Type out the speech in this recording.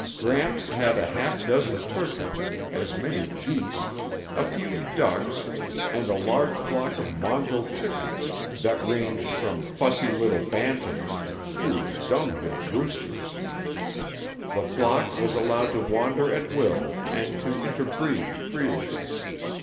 Gramps had a half dozen turkeys, as many geese, a few ducks and a large flock of mongrel chickens that ranged from fussy little bantams to huge dunghill roosters. The flock was allowed to wander at will and to interbreed freely.